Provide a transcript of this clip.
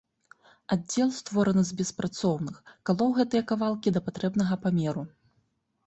Аддзел, створаны з беспрацоўных, калоў гэтыя кавалкі да патрэбнага памеру.